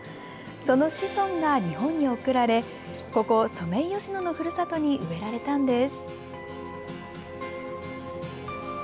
その子孫が、日本に贈られここソメイヨシノのふるさとに植えられたんです。